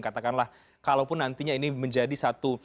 katakanlah kalaupun nantinya ini menjadi satu